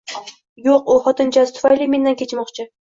Yo`q, u xotinchasi tufayli mendan kechmoqchi